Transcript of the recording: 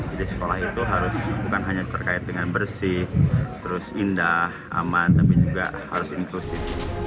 jadi sekolah itu harus bukan hanya terkait dengan bersih indah aman tapi juga harus inklusif